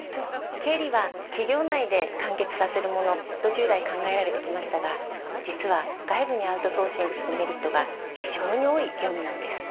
経理は企業内で完結させるものと従来考えられてきましたが実は外部にアウトソーシングするメリットが非常に多い業務なんです。